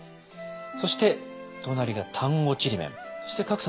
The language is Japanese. そして隣が丹後ちりめん。